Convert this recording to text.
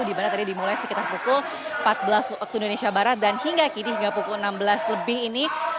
di mana tadi dimulai sekitar pukul empat belas waktu indonesia barat dan hingga kini hingga pukul enam belas lebih ini